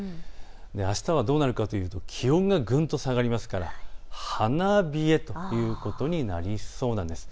あしたはどうなるかというと気温がぐんと下がりますから花冷えということになりそうなんです。